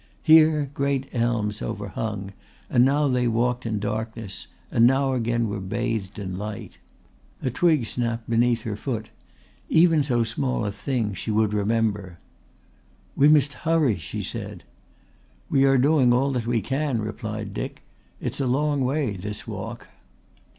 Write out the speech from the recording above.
Here great elms overhung and now they walked in darkness, and now again were bathed in light. A twig snapped beneath her foot; even so small a thing she would remember. "We must hurry," she said. "We are doing all that we can," replied Dick. "It's a long way this walk."